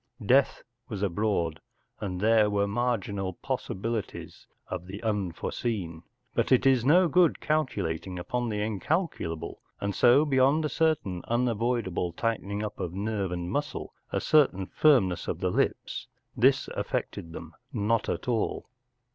Death was abroad, and there were marginal possibilities of the unforeseen, but it is no good calculating upon the incalculable, and so beyond a certain unavoidable tighten¬ ing up of nerve and muscle, a certain firmness of the lips, this affected them not at all.